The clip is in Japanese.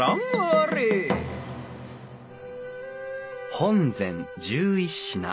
本膳１１品。